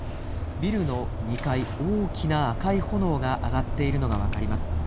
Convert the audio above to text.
ビルの２階、大きな赤い炎が上がっているのが分かります。